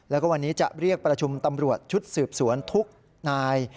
แล้วก็วันนี้จะเรียกประชุมตำรวจชุดสืบสวนทุกนาย